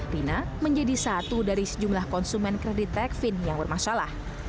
rina menjadi satu dari sejumlah konsumen kredit tekvin yang bermasalah